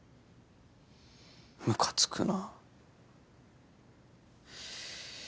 ムカつくな。